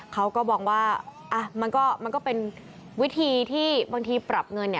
เขาก็มองว่ามันก็เป็นวิธีที่บางทีปรับเงิน